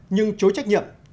nhưng chối trách nhiệm